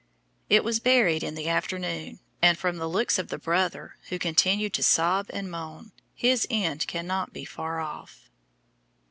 It was buried in the afternoon, and from the looks of the brother, who continued to sob and moan, his end cannot be far off.